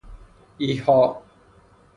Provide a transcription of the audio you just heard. ایحاء